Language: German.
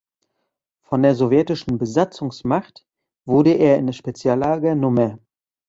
Von der sowjetischen Besatzungsmacht wurde er in das Speziallager Nr.